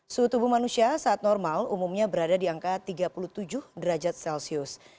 suhu tubuh manusia saat normal umumnya berada di angka tiga puluh tujuh derajat celcius